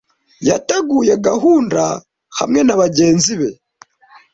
Yateguye gahunda hamwe na bagenzi be.